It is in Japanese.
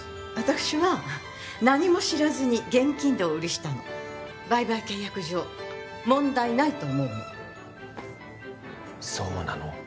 私は何も知らずに現金でお売りしたの売買契約上問題ないと思うのそうなの？